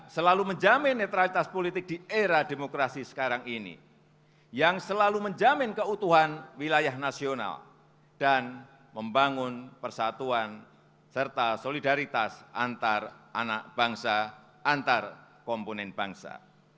serta solidaritas antar anak bangsa antar komponen bangsa